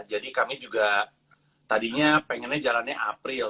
jadi kami juga tadinya pengennya jalannya april